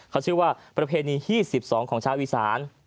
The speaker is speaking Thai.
เขาชื่อว่าประเพณี๒๒ของชาวอีสาน